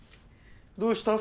どうした？